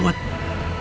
buat nyariin adi